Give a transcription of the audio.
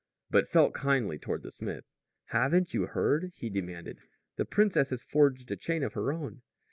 He felt kindly toward the smith. "Haven't you heard?" he demanded. "The princess has forged a chain of her own.